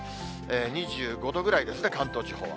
２５度ぐらいですね、関東地方は。